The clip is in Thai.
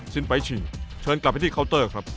ไปชิงเชิญกลับไปที่เคาน์เตอร์ครับ